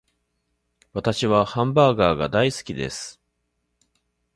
私はハンバーガーが大好きです